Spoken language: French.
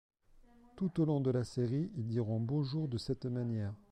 Tout au long de la série, ils diront bonjour de cette manière.